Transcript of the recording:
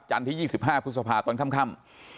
จันที่๒๕พฤษภาคมตอนค่ำ